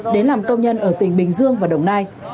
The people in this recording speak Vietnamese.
đến làm công nhân ở tỉnh bình dương và đồng nai